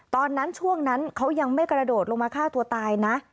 ตอนนั้นช่วงนั้นเขายังไม่กระโดดลงมาฆ่าตัวตายนะ